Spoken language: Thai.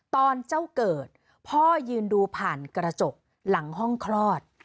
ตอนเจ้าเกิดพ่อยืนดูผ่านกระจกหลังห้องคลอด